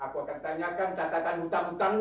aku akan tanyakan catatan hutang hutangmu